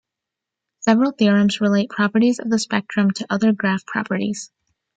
Several theorems relate properties of the spectrum to other graph properties.